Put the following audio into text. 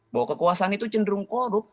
bahwa kekuasaan itu cenderung korup